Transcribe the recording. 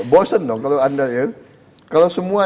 bosen dong kalau semua